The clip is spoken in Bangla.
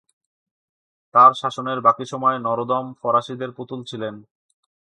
তার শাসনের বাকি সময় নরোদম ফরাসিদের পুতুল ছিলেন।